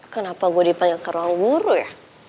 kenapa gue dipanggil karo guru ya